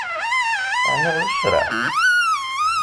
Ɛni d ccṛab?